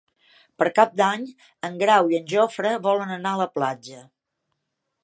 Per Cap d'Any en Grau i en Jofre volen anar a la platja.